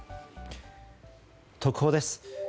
特報です。